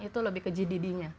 itu lebih ke gdd nya